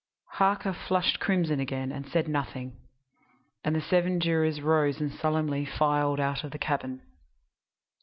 Harker flushed crimson again, but said nothing, and the seven jurors rose and solemnly filed out of the cabin.